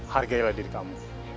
hargailah diri kamu